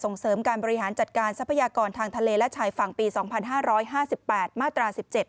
เสริมการบริหารจัดการทรัพยากรทางทะเลและชายฝั่งปี๒๕๕๘มาตรา๑๗